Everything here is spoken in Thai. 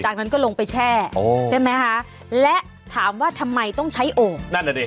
จากนั้นก็ลงไปแช่ใช่ไหมคะและถามว่าทำไมต้องใช้โอ่งนั่นแหละดิ